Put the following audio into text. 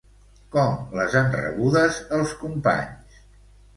Com les han rebudes els companys?